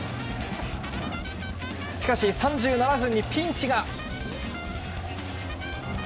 しかし、３７分にピンチが。